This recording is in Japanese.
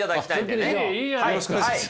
よろしくお願いします。